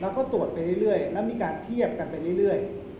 แล้วก็ตรวจไปเรื่อยแล้วมีการเทียบกันไปเรื่อย